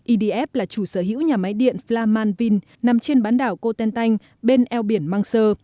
edf là chủ sở hữu nhà máy điện flamanvin nằm trên bán đảo cô tên tanh bên eo biển mang sơ